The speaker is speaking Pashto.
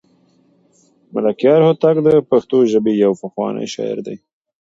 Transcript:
ملکیار هوتک د پښتو ژبې یو پخوانی شاعر دی.